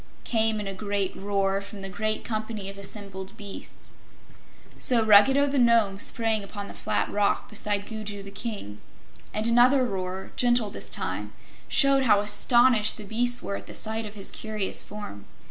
came in a great roar from the great company of assembled beasts. So Ruggedo the Nome sprang upon the flat rock beside Gugu the King, and another roar, gentle this time, showed how astonished the beasts were at the sight of his curious form.